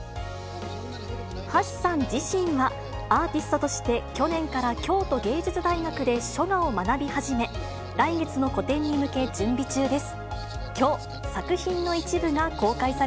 橋さん自身は、去年から京都芸術大学で書画を学び始め、来月の個展に向け、準備中です。